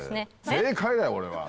正解だよ俺は！